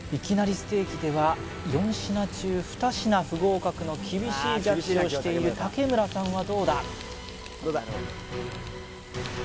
ステーキでは４品中ふた品不合格の厳しいジャッジをしている竹村さんはどうだ？